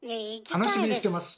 楽しみにしてます！